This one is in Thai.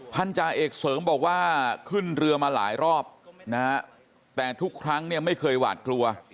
พันธาเอกเสริมบอกว่าขึ้นเรือมาหลายรอบนะฮะแต่ทุกครั้งเนี่ยไม่เคยหวาดกลัว